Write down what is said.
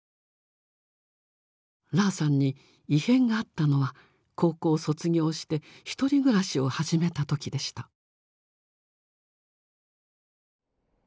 ラーさんに異変があったのは高校を卒業してひとり暮らしを始めた時でした。